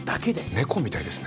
猫みたいですね。